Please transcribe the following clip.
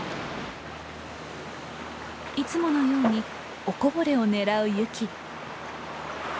いつものようにおこぼれを狙うユキ。